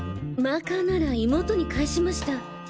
マーカーなら妹に返しました。